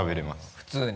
普通に？